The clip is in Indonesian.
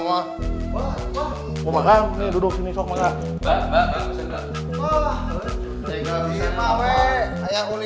mau makan nih duduk sini sok makan